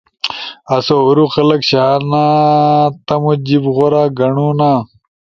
آسو ہُورو خلگ شانا تمو جیِب غورا گنڑُو نا۔